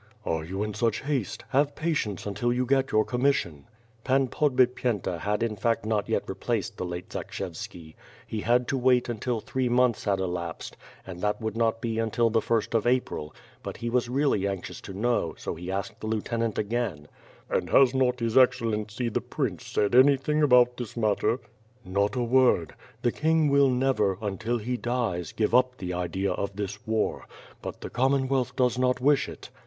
"Are you in such haste? Have patience until you get your commission." Pan Podbipyenta had in fact not yet replaced the late Zakshevski. He had to wait until three months had elapsed and that would not be until the first of April, but he was really anxious to know, so he asked the lieutenant again: "And has not his Excellency, the prince, said anything about this matter?" "Not a word. The king will never, until he dies, give up the idea of this war; but the Commonwealth does not wish it."